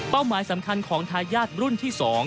หมายสำคัญของทายาทรุ่นที่๒